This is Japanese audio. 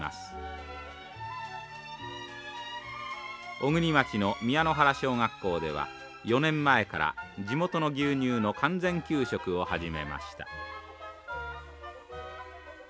小国町の宮原小学校では４年前から地元の牛乳の完全給食を始めました。